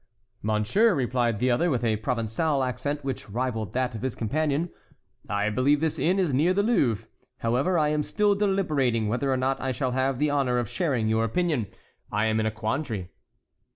"Monsieur," replied the other, with a Provençal accent which rivalled that of his companion, "I believe this inn is near the Louvre. However, I am still deliberating whether or not I shall have the honor of sharing your opinion. I am in a quandary."